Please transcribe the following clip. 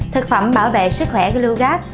thực phẩm bảo vệ sức khỏe gluco